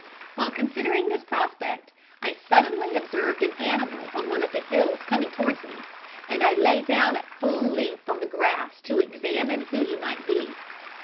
While considering this prospect, I suddenly observed an animal on one of the hills coming towards me, and I lay down at full length on the grass to examine who he might be.